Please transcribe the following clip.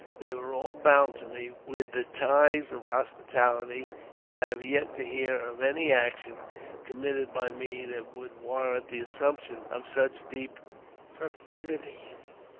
They were all bound to me with the ties of hospitality, and I have yet to hear of any action committed by me that would warrant the assumption of such deep perfidy.